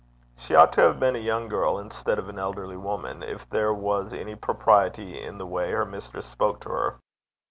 She ought to have been a young girl instead of an elderly woman, if there was any propriety in the way her mistress spoke to her.